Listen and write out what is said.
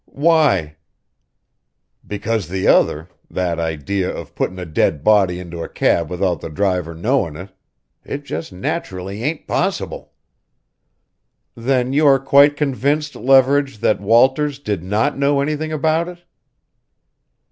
"Why?" "Because the other that idea of puttin' a dead body into a cab without the driver knowing it it just naturally ain't possible." "Then you are quite convinced, Leverage, that Walters did not know anything about it?"